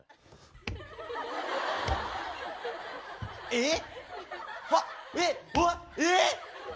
えっ？